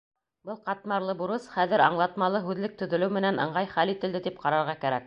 Был ҡатмарлы бурыс хәҙер аңлатмалы һүҙлек төҙөлөү менән ыңғай хәл ителде, тип ҡарарға кәрәк.